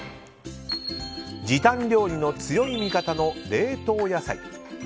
時短料理の強い味方の冷凍野菜。